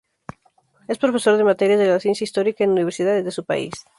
Es profesor en materias de la ciencia histórica en universidades de su país.